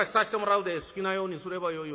「好きなようにすればよいわ。